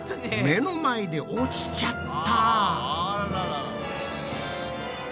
目の前で落ちちゃった。